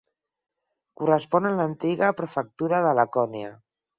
Correspon a l'antiga prefectura de Lacònia.